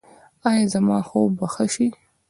ایا زما خوب به ښه شي؟